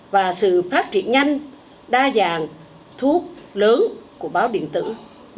và sự phát triển nhanh đa dạng thuốc lớn của báo điện tử mạng xã hội